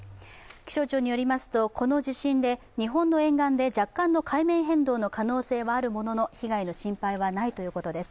気象庁によりますと、この地震で日本の沿岸で若干の海面変動の可能性はあるものの、被害の心配はないということです